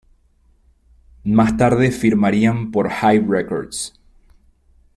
Más tarde firmarían por Jive Records.